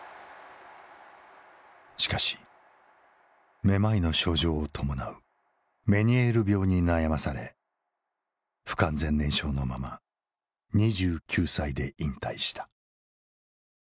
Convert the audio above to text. しかしめまいの症状を伴うメニエール病に悩まされ不完全燃焼のまま２９歳で引退した。